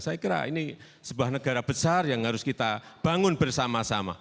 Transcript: saya kira ini sebuah negara besar yang harus kita bangun bersama sama